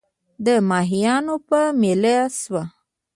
د ماهیانو په مېله سوو